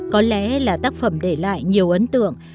có lẽ là tác phẩm để lại nhiều ấn tượng